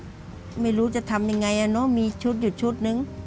แล้วก็ไม่รู้จะทำยังไงมีชุดอยู่ชุดหนึ่ง